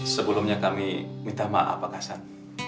sebelumnya kami minta maaf pak kasan